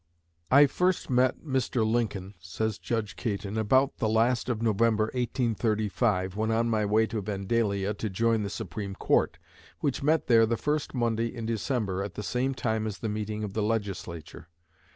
"I first met Mr. Lincoln," says Judge Caton, "about the last of November, 1835, when on my way to Vandalia to join the Supreme Court, which met there the first Monday in December, at the same time as the meeting of the Legislature.